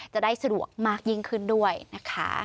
จะได้สะดวกมากยิ่งขึ้นด้วยนะคะ